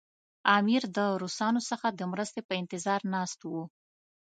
امیر د روسانو څخه د مرستې په انتظار ناست وو.